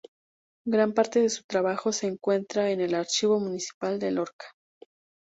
Gran parte de su trabajo se encuentra en el Archivo Municipal de Lorca.